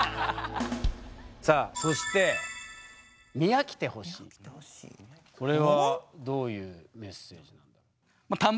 さあそしてこれはどういうメッセージなの？